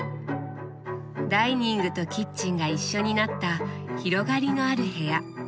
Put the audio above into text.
ダイニングとキッチンが一緒になった広がりのある部屋。